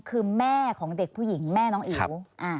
คือแม่ของเด็กผู้หญิงแม่น้องอิ๋ว